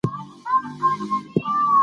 پښتو ژبه زموږ د هویت نښه ده.